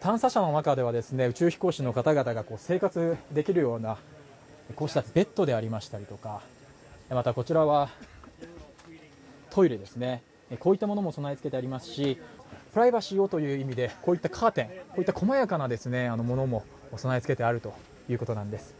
探査車の中では宇宙飛行士の方々が生活できるようなこうしたベッドでありましたりとか、またこちらはトイレですね、こういったものも備え付けてありますしプライバシーをという意味で、こういったカーテン、こういった細やかなものも備え付けてあるということなんです。